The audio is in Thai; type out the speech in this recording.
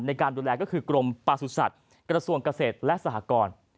ในการดูแลก็คือกรมประสุทธิ์กระทรวงเกษตรและสหกร